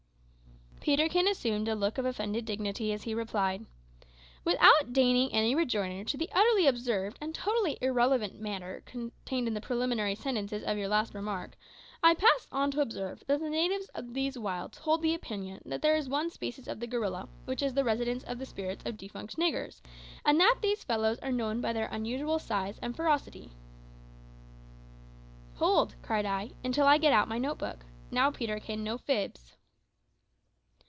Peterkin assumed a look of offended dignity as he replied "Without deigning any rejoinder to the utterly absurd and totally irrelevant matter contained in the preliminary sentences of your last remark, I pass on to observe that the natives of these wilds hold the opinion that there is one species of the gorilla which is the residence of the spirits of defunct niggers, and that these fellows are known by their unusual size and ferocity." "Hold," cried I, "until I get out my note book. Now, Peterkin, no fibs."